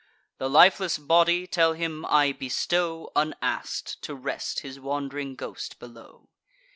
The lifeless body, tell him, I bestow, Unask'd, to rest his wand'ring ghost below."